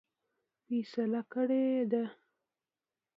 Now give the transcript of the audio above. فیصله کړې ده.